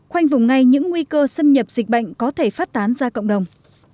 khoanh vùng ngay những nguy cơ xâm nhập dịch bệnh có thể phát tán ra cộng đồng